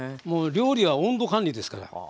もう料理は温度管理ですから。